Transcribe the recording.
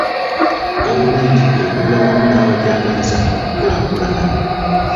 Gavumenti ekolera wamu n'abagyagaliza okukulaakulana.